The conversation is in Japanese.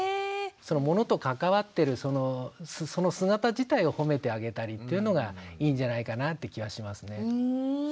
その物と関わってるその姿自体をほめてあげたりというのがいいんじゃないかなって気がしますね。